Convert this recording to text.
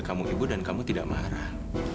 kamu ibu dan kamu tidak marah